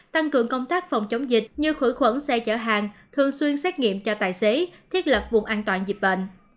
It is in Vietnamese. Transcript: tăng cường công tác phòng chống dịch như khử khuẩn xe chở hàng thường xuyên xét nghiệm cho tài xế thiết lập vùng an toàn dịch bệnh